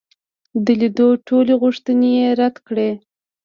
د لیدلو ټولي غوښتني یې رد کړې.